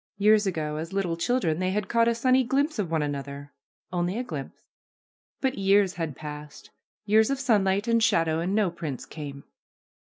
Years ago, as little children, they had caught a sunny glimpse of one another — only a glimpse. But years had passed, years of sunlight and shadow, and no prince came.